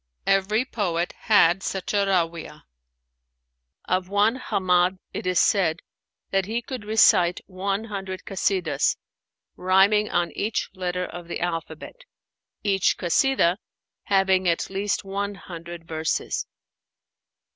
Every poet had such a Ráwiah. Of one Hammád it is said that he could recite one hundred Kasídahs rhyming on each letter of the alphabet, each Kasídah having at least one hundred verses.